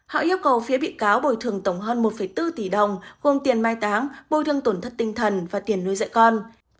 họ yêu cầu phía bị cáo bồi thường tổng hơn một bốn tỷ đồng gồm tiền mai táng bồi thương tổn thất tinh thần và tiền nuôi dạy con